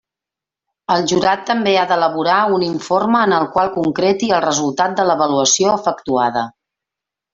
El jurat també ha d'elaborar un informe en el qual concreti el resultat de l'avaluació efectuada.